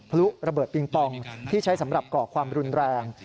พลุระเบิดปิงปองที่ใช้สำหรับก่อความรุนแรง